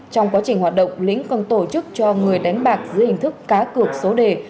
trong quá trình hoạt động lĩnh còn tổ chức cho người đánh bạc dưới hình thức cá cược số đề